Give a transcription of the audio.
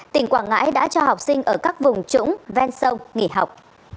tỉnh quảng ngãi đã cho học sinh ở các vùng trũng ven sông nghỉ học